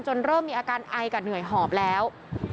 เริ่มมีอาการไอกับเหนื่อยหอบแล้ว